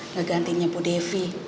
ngegantinya bu devi